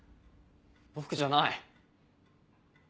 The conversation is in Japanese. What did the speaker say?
僕じゃない。